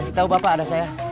kasih tau bapak ada saya